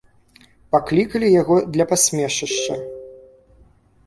Паклікалі яго для пасмешышча.